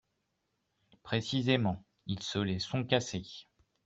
Précisément, ils se les sont cassées